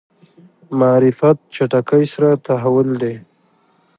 معرفت چټکۍ سره تحول دی.